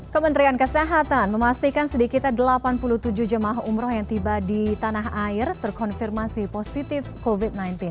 kementerian kesehatan memastikan sedikitnya delapan puluh tujuh jemaah umroh yang tiba di tanah air terkonfirmasi positif covid sembilan belas